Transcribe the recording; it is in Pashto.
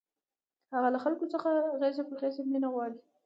هغه له خلکو څخه غېږه غېږه مینه غواړي